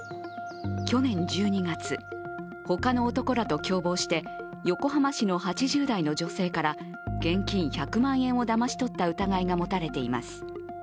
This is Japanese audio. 去年１２月、ほかの男らと共謀して横浜市の８０代の女性から現金１００万円をだまし取った疑いが持たれています。